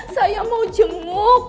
saya mau jenguk